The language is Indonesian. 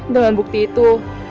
dengan bukti itu